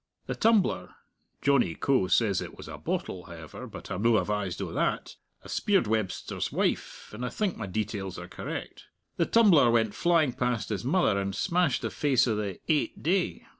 The tumbler (Johnny Coe says it was a bottle, however; but I'm no avised o' that I speired Webster's wife, and I think my details are correct) the tumbler went flying past his mother, and smashed the face o' the eight day.